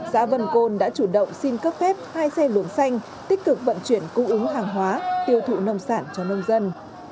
xã vân côn đã chủ động xin cấp phép hai xe luồn xanh tích cực vận chuyển cung ứng hàng hóa tiêu thụ nông sản cho nông dân